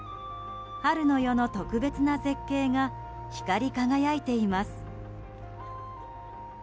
春の夜の特別な絶景が光り輝いています。